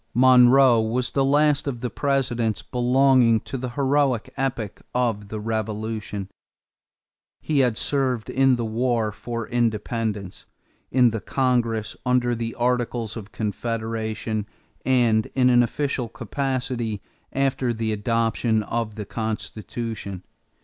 Monroe was the last of the Presidents belonging to the heroic epoch of the Revolution. He had served in the war for independence, in the Congress under the Articles of Confederation, and in official capacity after the adoption of the Constitution.